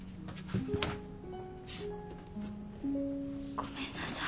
ごめんなさい。